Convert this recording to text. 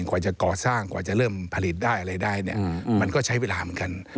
กว่าจะก่อสร้างกว่าจะเริ่มผลิตได้อะไรได้เนี่ยมันก็ใช้เวลาเหมือนกัน